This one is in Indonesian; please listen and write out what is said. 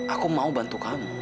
aku mau bantu kamu